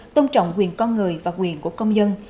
tôn trọng quyền con người và quyền của công dân